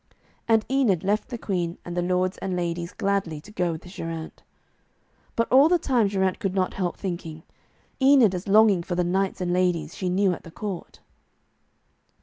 And Enid left the Queen and the lords and ladies gladly, to go with Geraint. But all the time Geraint could not help thinking, 'Enid is longing for the knights and ladies she knew at the court.'